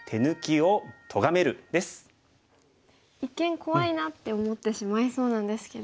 一見怖いなって思ってしまいそうなんですけど。